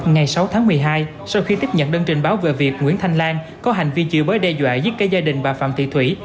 ngày sáu tháng một mươi hai sau khi tiếp nhận đơn trình báo về việc nguyễn thanh lan có hành vi chửi bới đe dọa giết cây gia đình bà phạm thị thủy